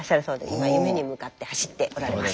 今夢に向かって走っておられます。